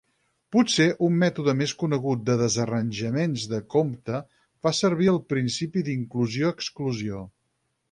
Potser un mètode més conegut de desarranjaments de compte fa servir el principi d'inclusió-exclusió.